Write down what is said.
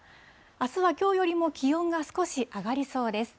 あすはきょうよりも気温が少し上がりそうです。